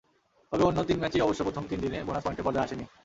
তবে অন্য তিন ম্যাচই অবশ্য প্রথম তিন দিনে বোনাস পয়েন্টের পর্যায়ে আসেনি।